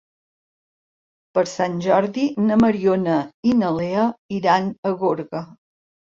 Per Sant Jordi na Mariona i na Lea iran a Gorga.